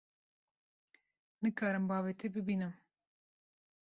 Nikarim bavê te bibînim.